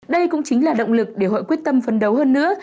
đây cũng chính là động lực để hội quyết tâm phấn đấu hơn nữa